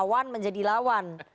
dari kawan menjadi lawan